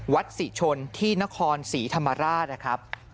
ศรีชนที่นครศรีธรรมราชนะครับ